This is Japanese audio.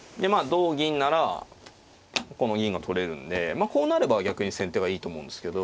同銀ならこの銀が取れるんでまあこうなれば逆に先手がいいと思うんですけど。